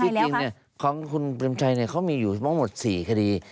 ที่จริงเนี่ยของคุณเตรียมชัยเนี่ยเขามีอยู่มากมด๔คดี